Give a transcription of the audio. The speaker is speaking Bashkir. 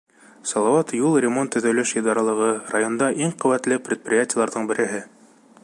Салауат юл ремонт-төҙөлөш идаралығы — районда иң ҡеүәтле предприятиеларҙың береһе.